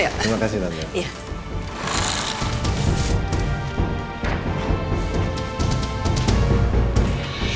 terima kasih tante